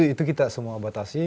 itu kita semua batasi